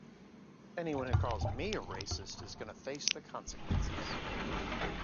Anyone who calls me a racist is going to face the consequences!